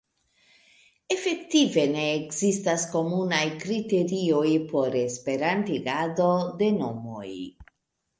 Efektive ne ekzistas komunaj kriterioj por esperantigado de nomoj.